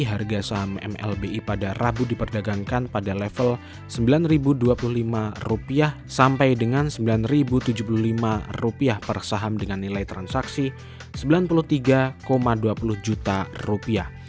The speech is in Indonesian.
harga saham mlbi pada rabu diperdagangkan pada level rp sembilan dua puluh lima sampai dengan rp sembilan tujuh puluh lima per saham dengan nilai transaksi rp sembilan puluh tiga dua puluh juta rupiah